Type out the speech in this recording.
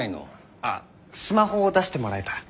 ああスマホを出してもらえたら。